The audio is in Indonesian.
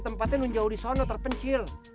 tempatnya nunjau di sana terpencil